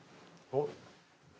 あっ。